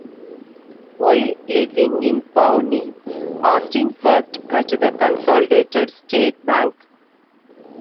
While living in Pawnee, Austin worked at the Consolidated State Bank.